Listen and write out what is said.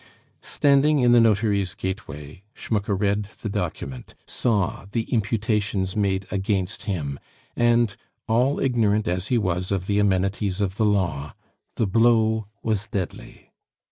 Standing in the notary's gateway, Schmucke read the document, saw the imputations made against him, and, all ignorant as he was of the amenities of the law, the blow was deadly.